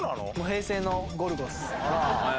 平成の『ゴルゴ』っす。